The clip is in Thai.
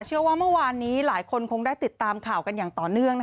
เชื่อว่าเมื่อวานนี้หลายคนคงได้ติดตามข่าวกันอย่างต่อเนื่อง